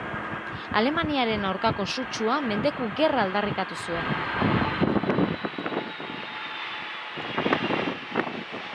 Alemaniaren aurkako sutsua, mendeku-gerra aldarrikatu zuen.